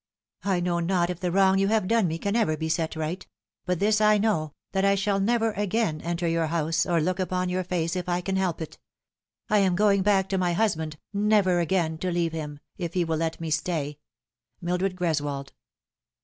I know not if the wrong you have done me can ever be set right ; but this I know, that I shall never again enter your house, or look upon your face, if I can help it. I am going back to my husband, never again to leave him, if he will let me stay. " MILDRED GKESWOLD."